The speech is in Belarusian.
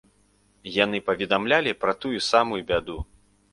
Яны паведамлялі пра тую самую бяду.